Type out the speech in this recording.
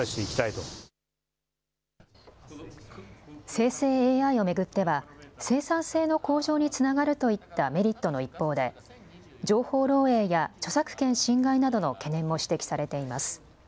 生成ＡＩを巡っては生産性の向上につながるといったメリットの一方で情報漏えいや著作権侵害などの懸念も指摘されています。